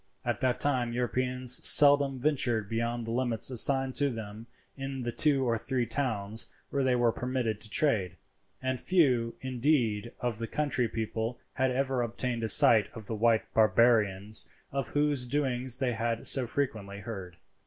At that time Europeans seldom ventured beyond the limits assigned to them in the two or three towns where they were permitted to trade, and few, indeed, of the country people had ever obtained a sight of the white barbarians of whose doings they had so frequently heard.